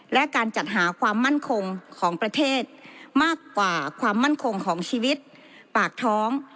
และการจัดหาความมั่นคงของประเทศมากกว่าความมั่นคงของชีวิตปากท้อง